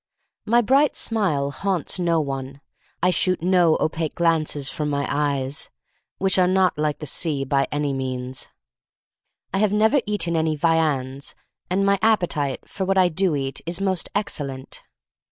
My bright smile haunts no one. I shoot no opaque glances from my eyes, which are not like the sea by any means. I have never eatqn any viands, and my appetite for what I do eat is most excellent.